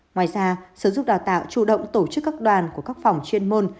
ngoài ra sở dục đào tạo chủ động tổ chức các đoàn của các phòng chuyên môn